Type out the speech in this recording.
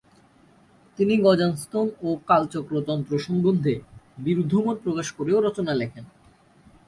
তিনি গ্ঝান-স্তোন ও কালচক্র তন্ত্র সম্বন্ধে বিরুদ্ধমত প্রকাশ করেও রচনা লেখেন।